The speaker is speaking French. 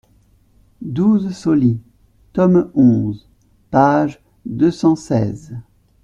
douze Sauli, tome onze, page deux cent seize.